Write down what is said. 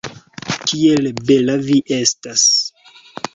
Kiel bela vi estas!